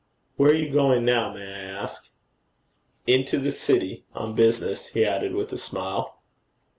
'Where are you going now, may I ask?' 'Into the city on business,' he added with a smile.